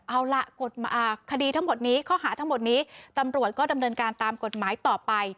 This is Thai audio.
เอาล่ะคดีทั้งหมดนี้ข้อหาทั้งหมดนี้ตำรวจก็ดำเนินการตามกฎหมายต่อไป